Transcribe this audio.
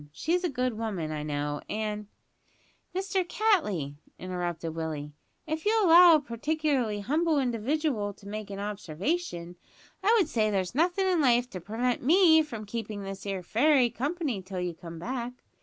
She's a good woman, I know, and " "Mister Cattley," interrupted Willie, "if you'll allow a partic'larly humble individual to make a observation, I would say there's nothin' in life to prevent me from keeping this 'ere fairy company till you come back.